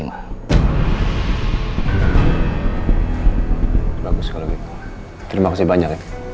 bagus kalau begitu terima kasih banyak ya